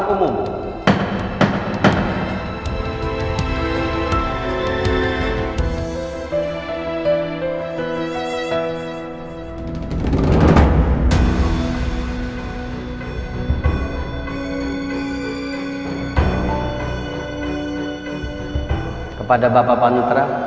kepada bapak panutra